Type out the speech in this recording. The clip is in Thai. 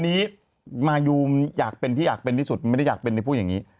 อันนี้มายูอยากเป็นที่อยากเป็นที่สุดไม่ได้อยากเป็นที่พูดอย่างนี้